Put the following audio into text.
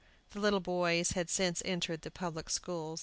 The little boys had since entered the public schools.